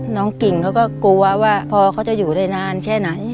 กิ่งเขาก็กลัวว่าพอเขาจะอยู่ได้นานแค่ไหน